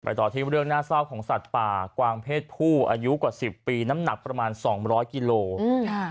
ต่อที่เรื่องน่าเศร้าของสัตว์ป่ากวางเพศผู้อายุกว่าสิบปีน้ำหนักประมาณสองร้อยกิโลอืม